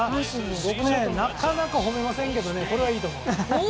僕ね、なかなか褒めませんがこれはすごいと思う。